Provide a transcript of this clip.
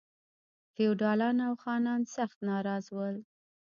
فیوډالان او خانان سخت ناراض ول.